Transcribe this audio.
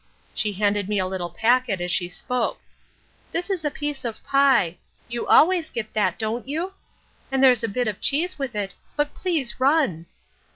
she handed me a little packet as she spoke 'this is a piece of pie: you always get that, don't you? and there's a bit of cheese with it, but please run.'